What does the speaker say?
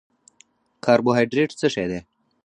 کاربوهایډریټ څه شی دی؟